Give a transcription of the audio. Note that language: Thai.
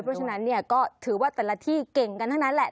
เพราะฉะนั้นเนี่ยก็ถือว่าแต่ละที่เก่งกันทั้งนั้นแหละ